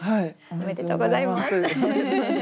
おめでとうございます。